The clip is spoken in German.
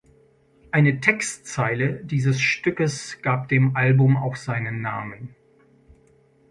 Eine Textzeile dieses Stückes gab dem Album auch seinen Namen.